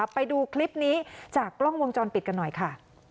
ไปดูคลิปนี้จากกล้องวงจรปิดกันหน่อยค่ะ